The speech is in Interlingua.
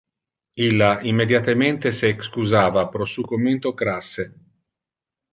Illa immediatemente se excusava pro su commento crasse.